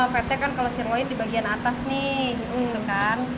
fatnya kan kalau sirloin di bagian atas nih